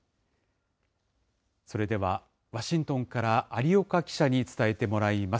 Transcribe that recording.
それでは、ワシントンから有岡記者に伝えてもらいます。